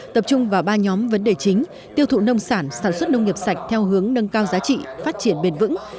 tập trung vào ba nhóm vấn đề chính tiêu thụ nông sản sản xuất nông nghiệp sạch theo hướng nâng cao giá trị phát triển bền vững